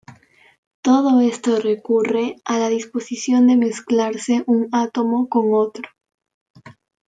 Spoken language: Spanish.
Todo esto recurre a la disposición de mezclarse un átomo con otro.